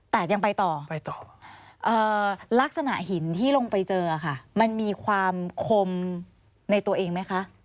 แต่ยังไปต่อไปต่อลักษณะหินที่ลงไปเจอค่ะมันมีความคมในตัวเองไหมคะ